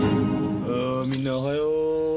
あみんなおはよう。